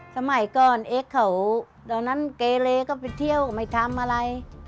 สมัยก่อนเอ็กซ์เขาตอนนั้นเกเลก็ไปเที่ยวไม่ทำอะไร